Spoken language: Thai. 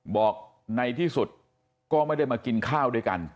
บอกในที่สุดก็ไว้ไม่ได้มากินข้าว